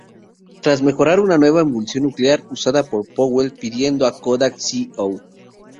Tras mejorar una nueva emulsión nuclear usada por Powell, pidiendo a Kodak Co.